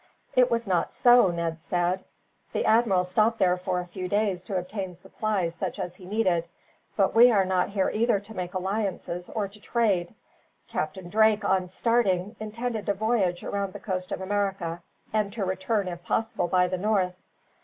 "It was not so," Ned said. "The admiral stopped there for a few days to obtain supplies such as he needed; but we are not here either to make alliances or to trade. Captain Drake, on starting, intended to voyage round the coast of America; and to return, if possible, by the north.